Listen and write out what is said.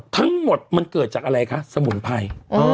ทั้งหมดมันเกิดจากอะไรคะสมุนไพร